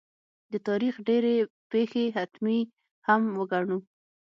د تاریخ ډېرې پېښې حتمي هم وګڼو.